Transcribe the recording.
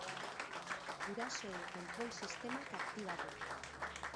Gurasoen kontrol sistemak aktibatu.